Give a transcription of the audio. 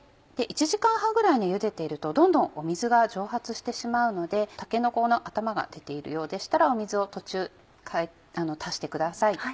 １時間半ぐらいゆでているとどんどん水が蒸発してしまうのでたけのこの頭が出ているようでしたら水を途中足してください。